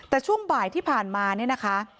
แต่ช่วงบ่ายที่ผ่านมาเนี่ยนะคะ